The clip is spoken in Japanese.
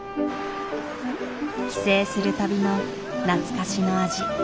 帰省するたびの懐かしの味。